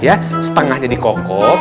ya setengahnya dikokop